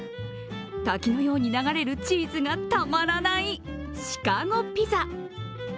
滝のように流れるチーズがたまらないシカゴピザ。